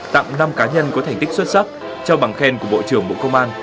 tặng năm cá nhân có thành tích xuất sắc trao bằng khen của bộ trưởng bộ công an